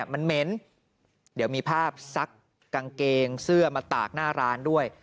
มันเหม็นเดี๋ยวมีภาพซักกางเกงเสื้อมาตากหน้าร้านด้วย